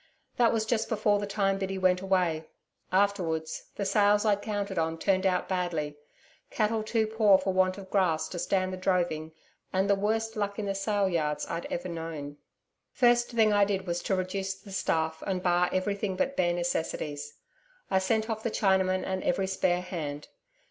That was just before the time Biddy went away. Afterwards, the sales I'd counted on turned out badly cattle too poor for want of grass to stand the droving and the worst luck in the sale yards I'd ever known. First thing I did was to reduce the staff and bar everything but bare necessaries I sent off the Chinamen and every spare hand.